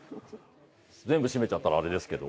全部閉めちゃったらあれですけど。